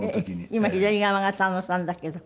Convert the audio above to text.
今左側が佐野さんだけど。